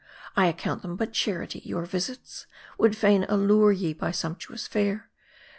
I account them but charity, your visits ; would fain allure ye by sumptuous fare.